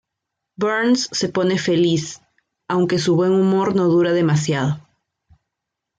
Burns se pone feliz, aunque su buen humor no dura demasiado.